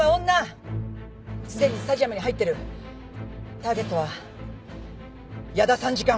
ターゲットは屋田参事官。